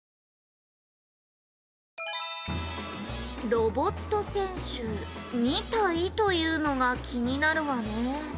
「ロボット選手２体というのが気になるわね」